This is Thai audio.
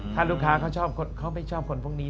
ถ้าลูกค้าเขาไม่ชอบคนพวกนี้